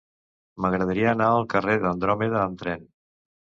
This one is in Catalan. M'agradaria anar al carrer d'Andròmeda amb tren.